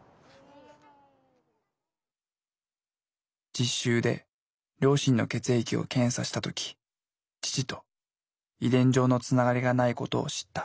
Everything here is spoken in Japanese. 実習で両親の血液を検査した時父と遺伝上のつながりがないことを知った。